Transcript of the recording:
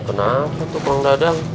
ya kenapa itu bang dadang